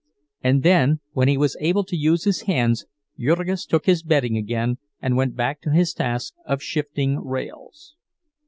And then, when he was able to use his hands, Jurgis took his bedding again and went back to his task of shifting rails.